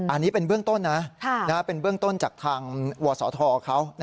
อันนี้เป็นเบื้องต้นนะเป็นเบื้องต้นจากทางวศธเขา